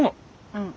うん。